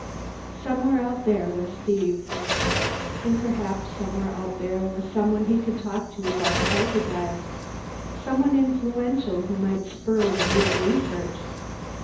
Somewhere out there was Steve. And perhaps somewhere out there was someone he could talk to about the hyperdrive, someone influential who might spur the needed research.